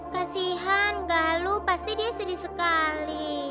kasihan galuh pasti dia sedih sekali